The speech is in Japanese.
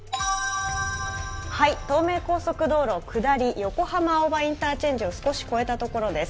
東名高速道路下り横浜青葉インターチェンジを少し越えたところです。